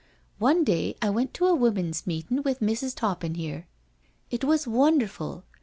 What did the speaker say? One day I went to a women's meetin* with Misses Toppin here. It was wonderful.